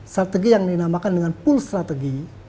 strategi yang dinamakan dengan pool strategy